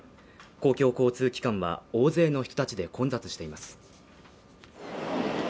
公共交通機関は大勢の人たちで混雑しています。